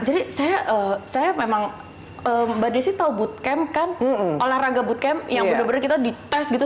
jadi saya memang mbak desy tau bootcamp kan olahraga bootcamp yang bener bener kita di tes gitu